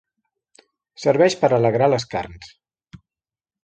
Serveix per alegrar les carns.